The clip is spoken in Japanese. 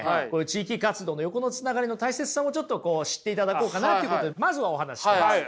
地域活動の横のつながりの大切さをちょっと知っていただこうかなということでまずはお話ししてます。